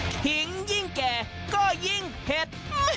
ขิงยิ่งแก่ก็ยิ่งเผ็ด